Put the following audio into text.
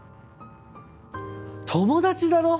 友達だろ！